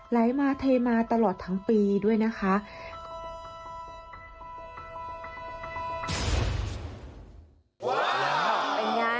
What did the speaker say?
ไหลมาเทมาตลอดทั้งปีด้วยนะคะ